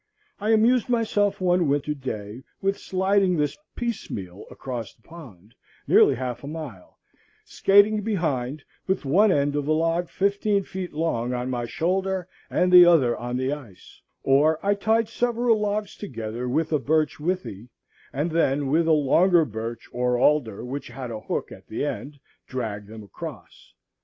I amused myself one winter day with sliding this piecemeal across the pond, nearly half a mile, skating behind with one end of a log fifteen feet long on my shoulder, and the other on the ice; or I tied several logs together with a birch withe, and then, with a longer birch or alder which had a hook at the end, dragged them across.